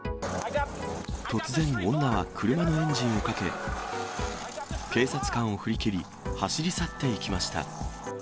突然、女は車のエンジンをかけ、警察官を振り切り、走り去っていきました。